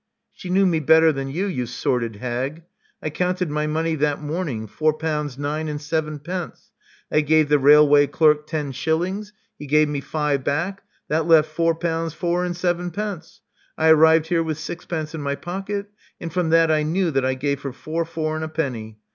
She knew me better than you, you sordid hag. I counted my money that morning — four pounds nine and sevenpence. I gave the railway clerk ten shil lings; he gave me five back — that left four pounds four and sevenpence. I arrived here with sixpence in my pocket; and from that I knew that I gave her four, four, and a penny.